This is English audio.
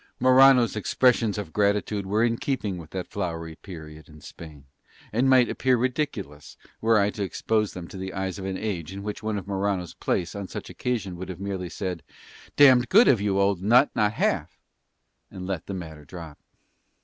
Morano's expressions of gratitude were in keeping with that flowery period in Spain, and might appear ridiculous were I to expose them to the eyes of an age in which one in Morano's place on such an occasion would have merely said, "Damned good of you old nut, not half," and let the matter drop.